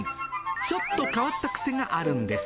ちょっと変わった癖があるんです。